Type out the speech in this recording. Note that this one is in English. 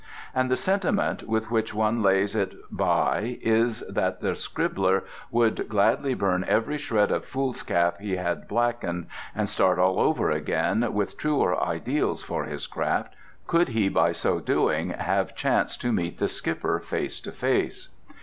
And the sentiment with which one lays it by is that the scribbler would gladly burn every shred of foolscap he had blackened and start all over again with truer ideals for his craft, could he by so doing have chance to meet the Skipper face to face.